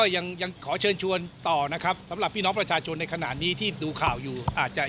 ยังขอเชิญชวนต่อสำหรับพี่น้อประชาชนที่ดูข่าวอยู่